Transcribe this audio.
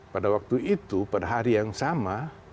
pada waktu itu pada hari yang sama